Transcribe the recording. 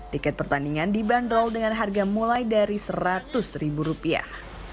tiket pertandingan dibanderol dengan harga mulai dari seratus ribu rupiah